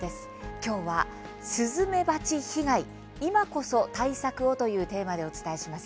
きょうはスズメバチ被害、今こそ対策をというテーマでお伝えします。